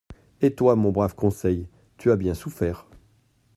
Et toi, mon brave Conseil, tu as bien souffert.